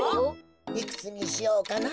いくつにしようかな。